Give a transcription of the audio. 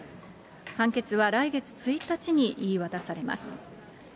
判決は来月１日に言い渡されます。